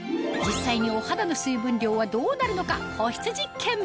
実際にお肌の水分量はどうなるのか？